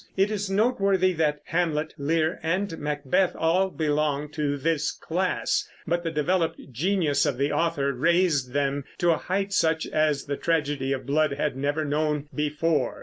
It is noteworthy that Hamlet, Lear, and Macbeth all belong to this class, but the developed genius of the author raised them to a height such as the Tragedy of Blood had never known before.